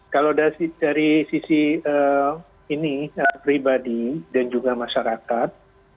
kalau dari sisi ini pribadi dan juga masyarakat